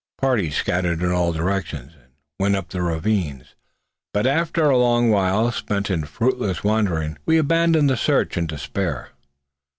Parties scattered in all directions, and went up the ravines; but after a long while spent in fruitless wandering, we abandoned the search in despair.